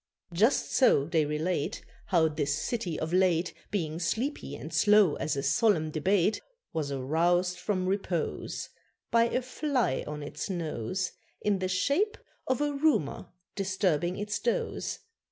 Just so they relate How this city of late, Being sleepy and slow as a solemn debate, Was aroused from repose By a fly on its nose, In the shape of a rumour disturbing its doze.